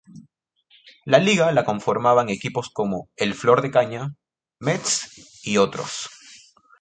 La liga la conformaban equipos como el Flor de Caña, Mets y otros.